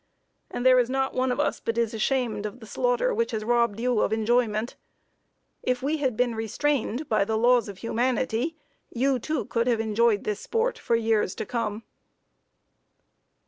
And there is not one of us but is ashamed of the slaughter which has robbed you of enjoyment. If we had been restrained by laws of humanity, you, too, could have enjoyed this sport for years to come.